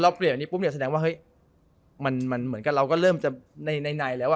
เปลี่ยนแบบนี้ปุ๊บเนี่ยแสดงว่าเฮ้ยมันเหมือนกับเราก็เริ่มจะในแล้วอ่ะ